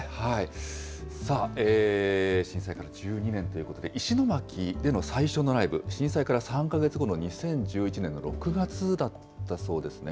さあ、震災から１２年ということで、石巻での最初のライブ、震災から３か月後の２０１１年の６月だったそうですね。